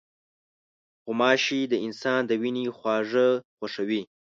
غوماشې د انسان د وینې خواږه خوښوي.